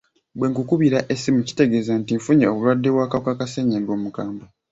Bwe nkukubira essimu, kitegeeza nti nfunye obulwadde bw'akawuka ka ssenyiga omukambwe.